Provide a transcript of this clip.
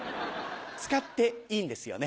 使っていいんですよね？